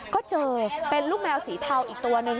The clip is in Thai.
ก็เจอเป็นลูกแมวสีเทาอีกตัวนึง